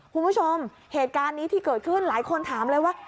คุณผู้ชมเหตุการณ์นี้ที่เกิดขึ้นหลายคนถามเลยว่า